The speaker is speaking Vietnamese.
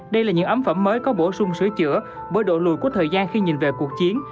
đây là những ấm phẩm mới có bổ sung sửa chữa bởi độ lùi của thời gian khi nhìn về cuộc chiến